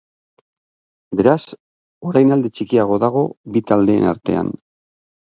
Beraz, orain alde txikiagoa dago bi taldeen artean.